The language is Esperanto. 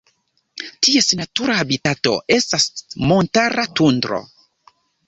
Ties natura habitato estas montara tundro.